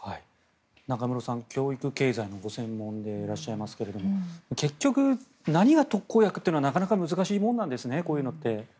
中室さん、教育・経済のご専門でいらっしゃいますが結局、何が特効薬というのはなかなか難しいものなんですねこういうのって。